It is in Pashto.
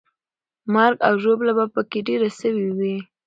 مرګ او ژوبله به پکې ډېره سوې وه.